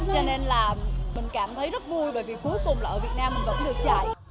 cho nên là mình cảm thấy rất vui bởi vì cuối cùng là ở việt nam mình vẫn được chạy